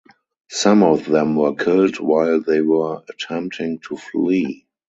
Some of them were killed while they were attempting to flee.